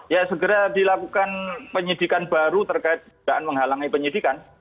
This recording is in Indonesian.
ya segera dilakukan penyidikan baru terkait dugaan menghalangi penyidikan